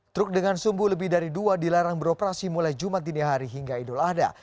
truk dengan sumbu lebih dari dua dilarang beroperasi mulai jumat dini hari hingga idul adha